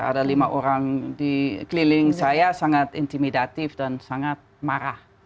ada lima orang di keliling saya sangat intimidatif dan sangat marah